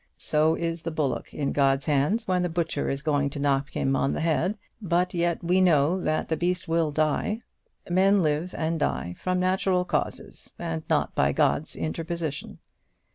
"So is the bullock in God's hands when the butcher is going to knock him on the head, but yet we know that the beast will die. Men live and die from natural causes, and not by God's interposition."